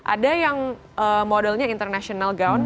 ada yang modelnya international gaun